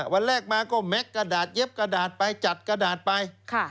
วันแรกมาก็แม็กซ์กระดาษเย็บกระดาษไปจัดกระดาษไป